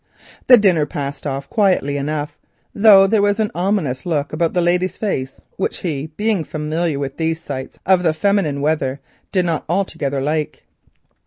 The dinner passed off quietly enough, though there was an ominous look about the lady's face which, being familiar with these signs of the feminine weather, he did not altogether like.